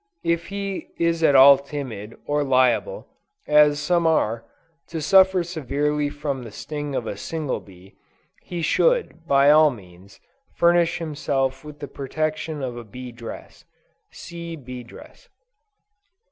If he is at all timid, or liable, as some are, to suffer severely from the sting of a single bee, he should, by all means, furnish himself with the protection of a bee dress. (See Bee Dress.)